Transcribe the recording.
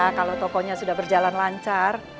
karena kalau tokonya sudah berjalan lancar